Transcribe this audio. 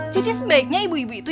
jadi sebaiknya ibu ibu itu